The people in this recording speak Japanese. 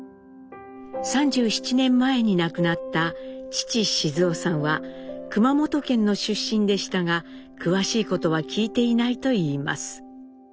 ３７年前に亡くなった父雄さんは熊本県の出身でしたが詳しいことは聞いていないといいます。